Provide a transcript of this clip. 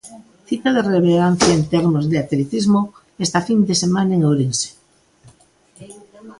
Cita de relevancia en termos de atletismo esta fin de semana en Ourense.